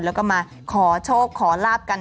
แล้วก็มาขอโชคขอลาบกัน